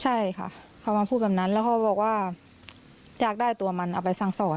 ใช่ค่ะเขามาพูดแบบนั้นแล้วเขาบอกว่าอยากได้ตัวมันเอาไปสั่งสอน